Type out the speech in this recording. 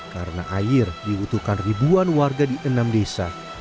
karena air diutuhkan ribuan warga di enam desa